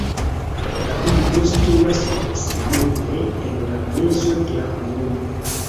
La urbo situas proksimume en la mezo de la komunumo.